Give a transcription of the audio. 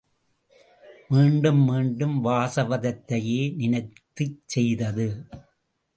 மீண்டும் மீண்டும் வாசவதத்தையையே நினைக்கச் செய்தது.